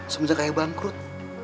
semenjak ayah bangkrut